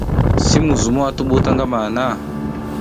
Si muzum a tuɓuw ta ngama han.